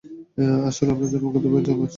আসলে আমরা জন্মগতভাবে যমজ।